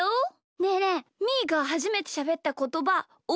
ねえねえみーがはじめてしゃべったことばおぼえてる？